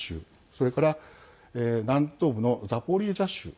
それから南東部のザポリージャ州